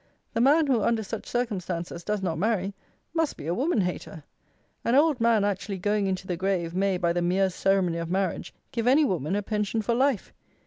The man, who, under such circumstances, does not marry, must be a woman hater. An old man actually going into the grave, may, by the mere ceremony of marriage, give any woman a pension for life.